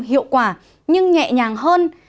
hiệu quả nhưng nhẹ nhàng hơn